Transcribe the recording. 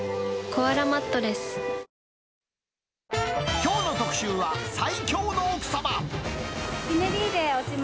きょうの特集は、最強の奥さま。